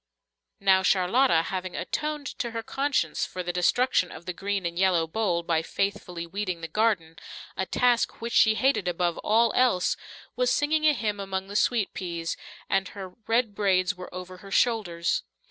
Now Charlotta, having atoned to her conscience for the destruction of the green and yellow bowl by faithfully weeding the garden, a task which she hated above all else, was singing a hymn among the sweet peas, and her red braids were over her shoulders.